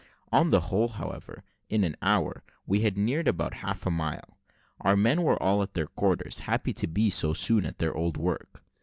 On the whole, however, in an hour we had neared about half a mile. Our men were all at their quarters, happy to be so soon at their old work.